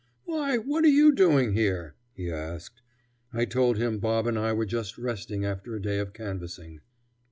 "Why, what are you doing here?" he asked. I told him Bob and I were just resting after a day of canvassing.